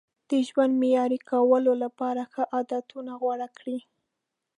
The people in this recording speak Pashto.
د ژوند معیاري کولو لپاره ښه عادتونه غوره کړئ.